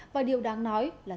và điều đáng nói là